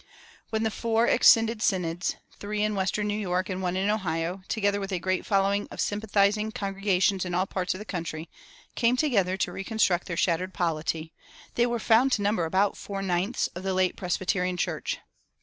When the four exscinded synods, three in western New York and one in Ohio, together with a great following of sympathizing congregations in all parts of the country, came together to reconstruct their shattered polity, they were found to number about four ninths of the late Presbyterian Church.